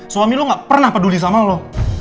suami lo gak pernah peduli sama lo